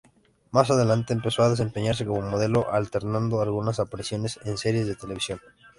Más adelante empezó a desempeñarse como modelo, alternando algunas apariciones en series de televisión.